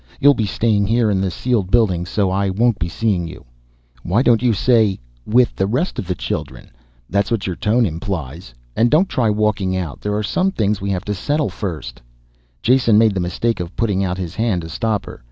You'll be staying here in the sealed buildings so I won't be seeing you." "Why don't you say 'with the rest of the children' that's what your tone implies? And don't try walking out, there are some things we have to settle first " Jason made the mistake of putting out his hand to stop her.